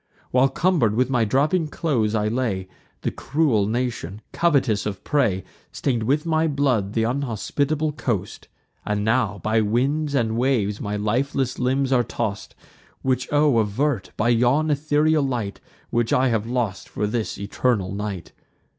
While, cumber'd with my dropping clothes, I lay, The cruel nation, covetous of prey, Stain'd with my blood th' unhospitable coast; And now, by winds and waves, my lifeless limbs are toss'd: Which O avert, by yon ethereal light, Which I have lost for this eternal night!